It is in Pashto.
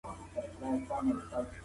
بازمحمد کندهارى محمدانور